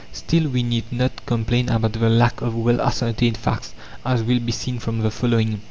Still, we need not complain about the lack of well ascertained facts, as will be seen from the following.